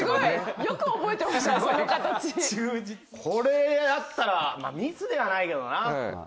これやったらまぁミスではないけどな。